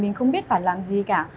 mình không biết phải làm gì cả